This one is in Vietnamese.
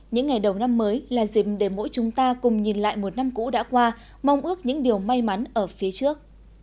những ngày đầu năm mới là dìm để mỗi chúng ta cùng nhìn lại một năm cũ đã qua mong ước những điều may mắn ở phía trước